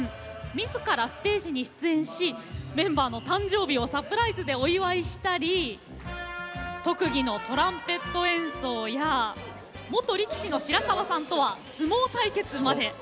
自らステージに出演しメンバーの誕生日をサプライズでお祝いしたり特技のトランペット演奏や元力士の白川さんとは相撲対決まで。